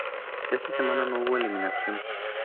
Esta semana no hubo eliminación.